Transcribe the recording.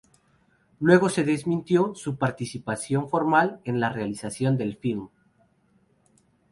Luego se desmintió su participación formal en la realización del filme.